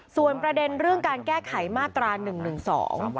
ส่วนประเด็นเรื่องการแก้ไขมาตรา๑๑๒